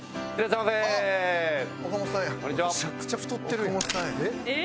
めちゃくちゃ太ってるやん。